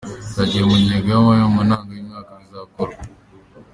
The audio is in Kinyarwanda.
Byagiye mu ngengo y’imari, mu ntangiro y’uyu mwaka bizakorwa.